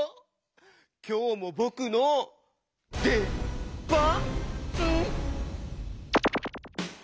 きょうもぼくのでばん？